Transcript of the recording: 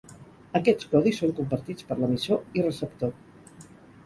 Aquests codis són compartits per l'emissor i receptor.